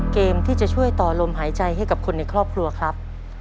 เกมที่จะช่วยต่อลมหายใจให้กับคนในครอบครัวครับ